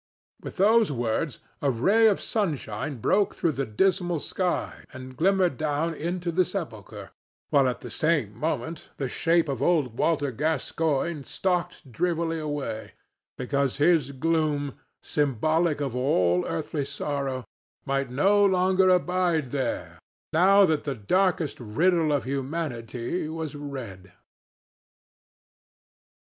With those words a ray of sunshine broke through the dismal sky and glimmered down into the sepulchre, while at the same moment the shape of old Walter Gascoigne stalked drearily away, because his gloom, symbolic of all earthly sorrow, might no longer abide there now that the darkest riddle of humanity was read.